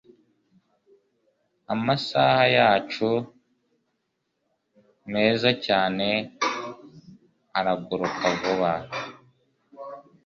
amasaha yacu meza cyane araguruka vuba